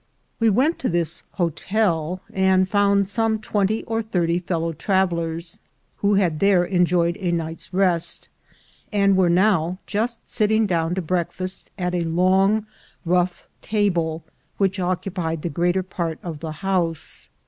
We went to this hotel, and found some twenty or thirty fellow travelers, who had there enjoyed a night's rest, and were now just sitting down to breakfast at a long rough table which occupied the greater part of the house.